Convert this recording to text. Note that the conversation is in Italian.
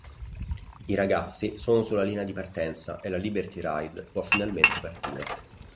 I ragazzi sono sulla linea di partenza e la Liberty Ride può finalmente partire.